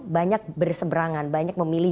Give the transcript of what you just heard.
banyak berseberangan banyak memilih